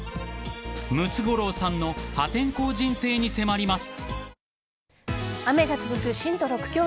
［ムツゴロウさんの破天荒人生に迫ります］